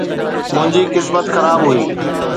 منھنجي قسمت خراب هئي